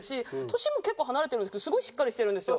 年も結構離れてるんですけどすごいしっかりしてるんですよ。